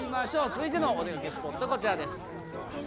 続いてのお出かけスポット、こちらです。